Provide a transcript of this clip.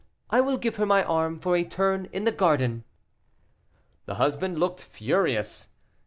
I will give her my arm for a turn in the garden." The husband looked furious.